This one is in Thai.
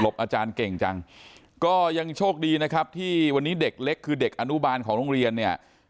อาจารย์เก่งจังก็ยังโชคดีนะครับที่วันนี้เด็กเล็กคือเด็กอนุบาลของโรงเรียนเนี่ย